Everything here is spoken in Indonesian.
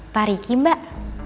pak riki mbak